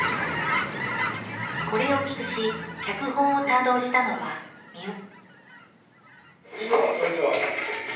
これを企画し脚本を担当したのはみうら。